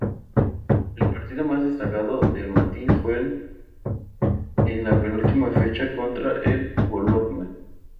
El partido más destacado del Mati fue en la penúltima fecha contra el Bologna.